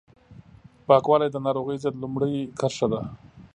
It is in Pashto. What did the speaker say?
پاکوالی د ناروغیو ضد لومړۍ کرښه ده